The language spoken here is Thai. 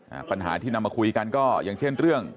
ปัญหาที่นำมาคุยกันก็อย่างเช่นเรื่อง